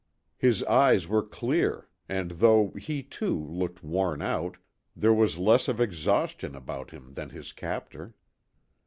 His eyes were clear, and though he, too, looked worn out, there was less of exhaustion about him than his captor.